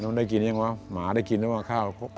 ได้กินยังวะหมาได้กินแล้วว่าข้าว